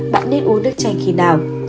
ba bạn nên uống nước chanh khi nào